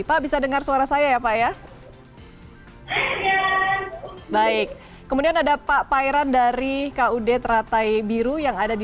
pak bisa dengar suara saya ya pak ya baik kemudian ada pak pairan dari kud teratai biru yang ada di